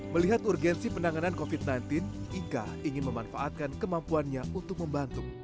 melihat urgensi penanganan covid sembilan belas ika ingin memanfaatkan kemampuannya untuk membantu